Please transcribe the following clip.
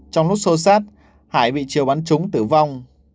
trong lúc xô sát hải bị triều bắn trúng tử vong